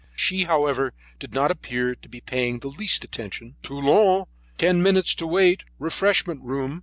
She, however, did not appear to be paying the least attention. "Toulon! Ten minutes to wait! Refreshment room!"